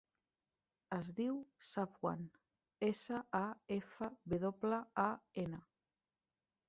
Es diu Safwan: essa, a, efa, ve doble, a, ena.